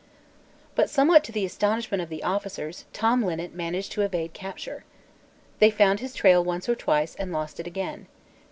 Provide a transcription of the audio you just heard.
But, somewhat to the astonishment of the officers, Tom Linnet managed to evade capture. They found his trail once or twice, and lost it again.